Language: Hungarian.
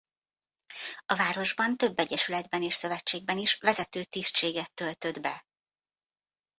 A városban több egyesületben és szövetségben is vezető tisztséget töltött be.